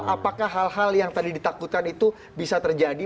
apakah hal hal yang tadi ditakutkan itu bisa terjadi